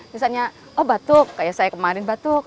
misalnya oh batuk kayak saya kemarin batuk